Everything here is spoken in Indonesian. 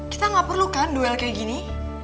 kita nggak perlu kan duel kayak gini